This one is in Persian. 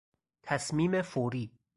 تصمیم فوری